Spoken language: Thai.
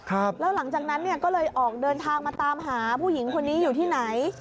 หลังจากนั้นเนี่ยก็เลยออกเดินทางมาตามหาผู้หญิงคนนี้อยู่ที่ไหน